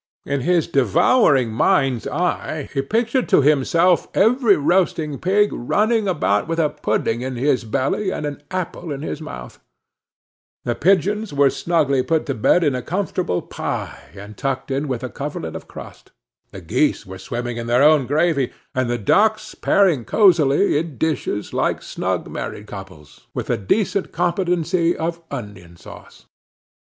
In his devouring mind's eye, he pictured to himself every roasting pig running about with a pudding in his belly, and an apple in his mouth; the pigeons were snugly put to bed in a comfortable pie, and tucked in with a coverlet of crust; the geese were swimming in their own gravy; and the ducks pairing cosily in dishes, like snug married couples, with a decent competency of onion sauce.